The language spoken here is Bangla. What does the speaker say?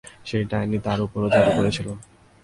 সেই ডাইনি তার উপরও জাদু করেছিল।